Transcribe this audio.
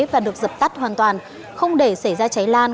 và được dập tắt hoàn toàn không để xảy ra cháy lan